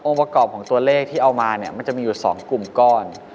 ประกอบของตัวเลขที่เอามาเนี่ยมันจะมีอยู่๒กลุ่มก้อน